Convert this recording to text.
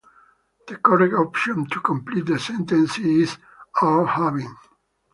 The correct option to complete the sentence is "are having".